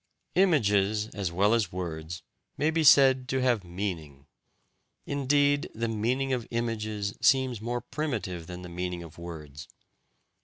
Images as well as words may be said to have "meaning"; indeed, the meaning of images seems more primitive than the meaning of words.